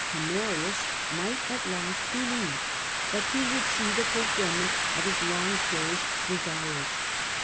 Honorius might at last believe that he would see the fulfilment of his long cherished desires.